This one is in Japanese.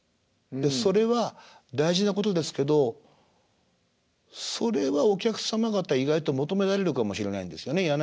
でそれは大事なことですけどそれはお客様方意外と求められるかもしれないんですよね。